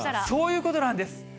そういうことなんです。